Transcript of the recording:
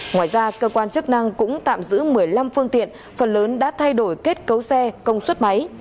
ngoài ra cơ quan chức năng cũng tạm giữ một mươi năm phương tiện phần lớn đã thay đổi kết cấu xe công suất máy